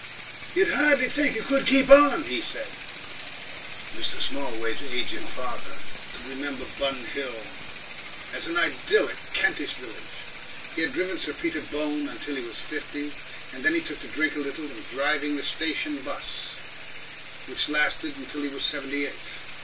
"You'd hardly think it could keep on," he said. Mr. Smallways' aged father, could remember Bun Hill as an idyllic Kentish village. He had driven Sir Peter Bone until he was fifty and then he took to drink a little, and driving the station bus, which lasted him until he was seventy eight.